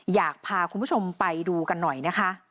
อยากพาคุณผู้ชมไปดูกันหน่อยนะคะ